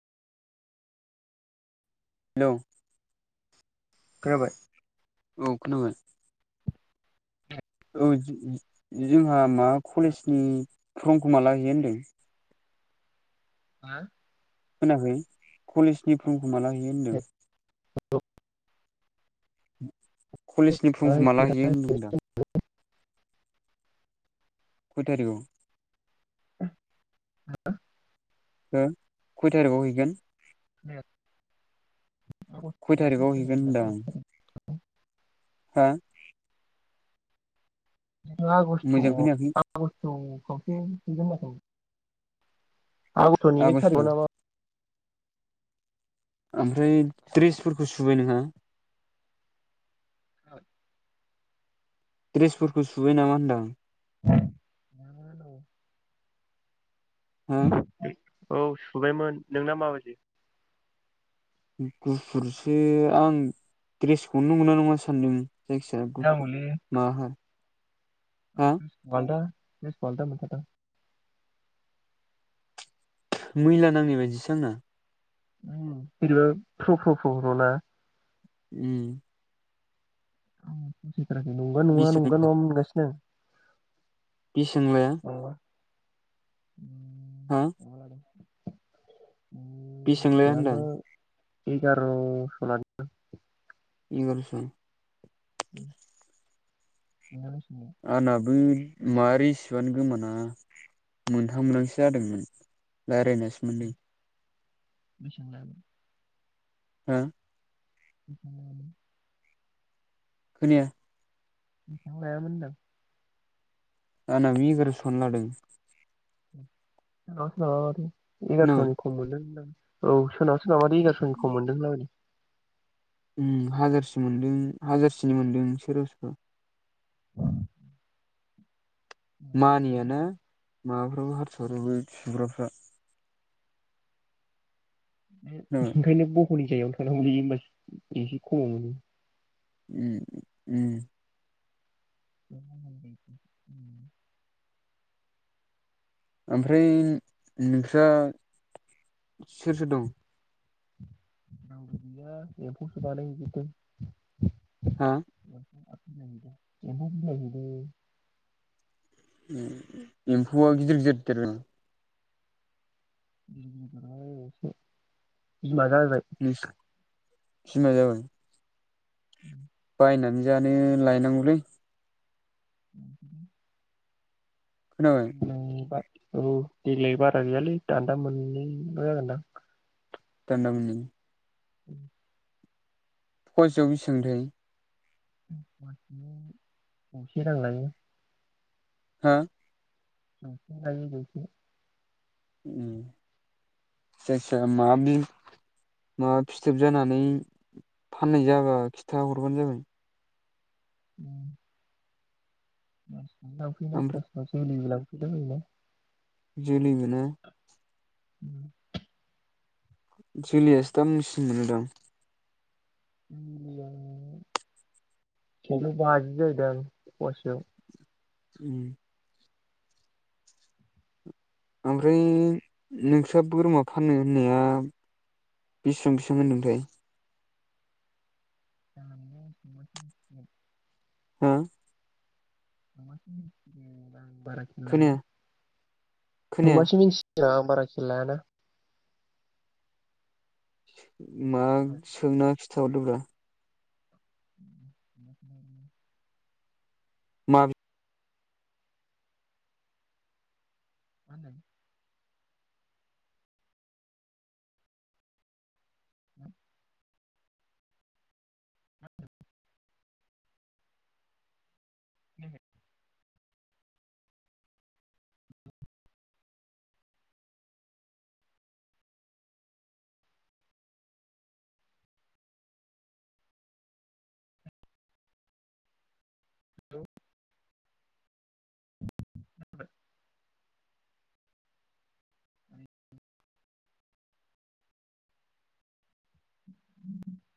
Hello. खोनाबाय? औ खोनाबाय। औ जोंहा मा कलेजनि फर्मखौ माला हैयो होनदों? हा? खोनायाखै कलेजनि फर्मखौ माला हैयो होनदों? [inaudible] कलेजनि फ्रमखौ माला हैयो होनदों आं? खय थारिखआव? हो? हो खय थारिगाव हैगोन? [inaudible] खय थारिखआव हैगोन होनदांं? हा? आगस्ट मोजां खोनायाखै आगस्टआव खावसे हैगोन होनाखैमोन? आगस्तनि एक आगष्ट' थारिकआव नामा? ओमफ्राय द्रेसफोरखौ सुबाय नोंहा? [inaudible] द्रेसफोरखौ सुबाय नामा होनदां? [inaudible] हो? औ सुबायमोन नोंना माबायदि? गुफुरसो आं ड्रेसखौनो मोना नङा सान्दों। जायखिजाया गुफुर जागौलै माहा आं हा? द्रेसखौ आलदा द्रेसखौ आलादा नुखादों आं। मैला नांनाय बायदिसो आंना। ओम बिदिबा फ्र फ फ फ्र ना? उम। फोथाय थाराखै नंगौना नङा नंगा बिसोंला नङा मोनगासिनो आं। इ सोंलाया माबा हा? [inaudible] बिसोंलाया होनदां एगार' स लादों दां। इगारस'। नोंना बेबे लाया? आंनाबो मा रिसिपआनो गोमाना मोनथाम मोनहांसो जादोंमोन राय्लायनासो मोनदों। बेसां लायामोन? हो? [inaudible] खोनाया। [inaudible] आनाबो एगारस'आनो लादों। खोनाबाय [unintelligible] [unintelligible] ओम हाजारसे मोनदों हाजारसेनि मोनदों सोरबा सोरबा। [inaudible] मानियाना माबाफ्राबो हारस्राफ्राबो [unintelligible] खोनाबाय ओंखायनो [unintelligible] थांनांगौलै होमबा एसे खमाव मोनो। उम उम। [inaudible] ओमफ्राय नोंस्रा सोर सोर दं? [unintelligible] हा? [unintelligible] [unintelligible] एम्फौआ गिदिर गिदिर देरबाय [inaudible] बिमा जाबाय। नोंस बिमा जाबाय। [inaudible] बायनानै जानो लायनांगौलै। [inaudible] खोनाबाय। [unintelligible] औ देग्लाय बारा गैयालै दान्दा मोननैल' जागोनदां। दान्दा मोननै। [inaudible] फवासेयाव बेसेबांथाय? [inaudible] जौसे रां लायो। हा? [inaudible] उम जायखि जाया मा बि मा फिथोब जानानै फाननाय जाबा खिथा हरबानो जाबाय। [inaudible] ओमफ्राय [unintelligible] जोलै मोना। [unintelligible] जोलियासो दामसिन मोनो दांं। [unintelligible] [inaudible] ओमफ्राय नोंस्रा बोरमा फानोनो होननाया बिसेबां बेसेबां होनदोंथाय? [inaudible] हा? [unintelligible] आं बारा खेल खोनाया खोनाया लायाना। मा सोंना खिथाहरदोब्रा? [inaudible] मा [inaudible] [inaudible] [inaudible] हेल' [inaudible] [inaudible]